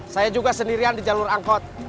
saya juga sendirian di jalur angkot